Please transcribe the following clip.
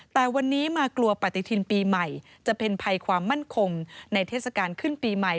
แต่วันนี้มากลัวปฏิทินปีใหม่จะเป็นภัยความมั่นคงในเทศกาลขึ้นปีใหม่